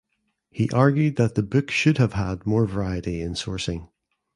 He argued that the book should have had more variety in sourcing.